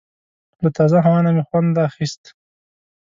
له تازه هوا نه مې خوند اخیست.